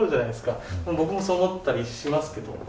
僕もそう思ったりしますけど。